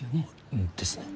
うんですね。